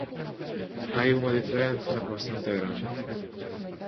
Hai unha diferenza bastante grande.